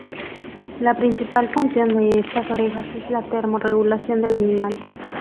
La principal función de estas orejas es la termo regulación del animal.